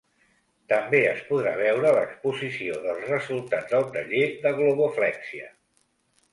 També es podrà veure l’exposició dels resultats del taller de globoflèxia.